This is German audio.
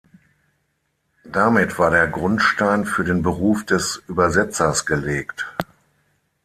Damit war der Grundstein für den Beruf des Übersetzers gelegt.